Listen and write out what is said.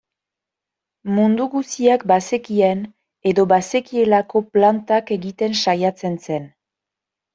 Mundu guztiak bazekien edo bazekielako plantak egiten saiatzen zen.